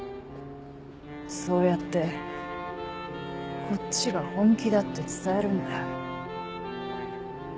そうやってこっちが本気だって伝えるんだ。